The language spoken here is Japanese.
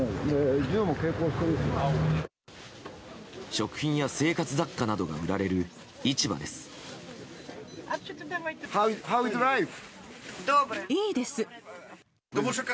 食品や生活雑貨などが売られる市場です。